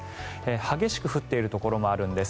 激しく降っているところもあるんです。